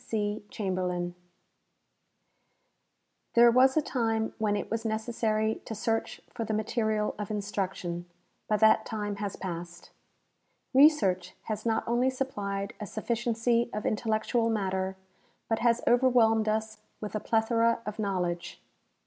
C. CHAMBERLIN There was a time when it was necessary to search for the material of instruction, but tliat time has passed. Researcli has not only supplied a sufficiency of intellectual matter, but has overwhelmed us with a plethora of knowledge.